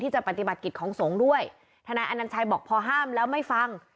จะปฏิบัติกิจของสงฆ์ด้วยทนายอนัญชัยบอกพอห้ามแล้วไม่ฟัง